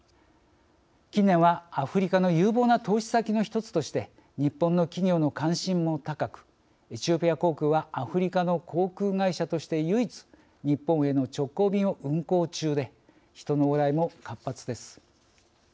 近年はアフリカの有望な投資先の一つとして日本の企業の関心も高くエチオピア航空はアフリカの航空会社として唯一日本への直行便を運航中で人の往来も活発です。